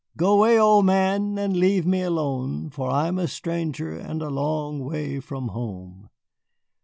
Go 'way, old man, and leave me alone, For I am a stranger and a long way from home."